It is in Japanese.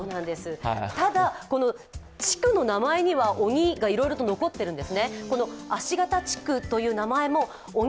ただ、地区の名前には鬼がいろいろと残っているんです。